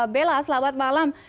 bella selamat malam